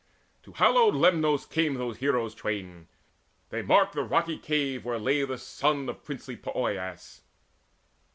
To hallowed Lemnos came those heroes twain; They marked the rocky cave where lay the son Of princely Poeas.